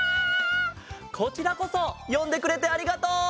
こちらこそよんでくれてありがとう！